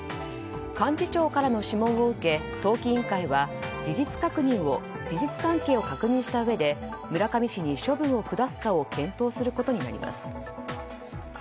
幹事長からの諮問を受け党紀委員会は事実関係を確認したうえで村上氏に処分を下すかを検討することになります。